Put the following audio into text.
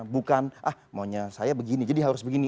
bukan ah maunya saya begini jadi harus begini